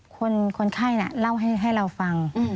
คนไข้น่ะเล่าให้เราฟัง